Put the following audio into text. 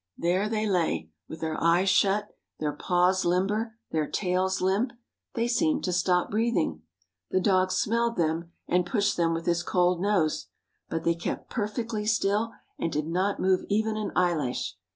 There they lay, with their eyes shut, their paws limber, their tails limp. They seemed to stop breathing. The dog smelled them and pushed them with his cold nose. But they kept perfectly still and did not move even an eyelash.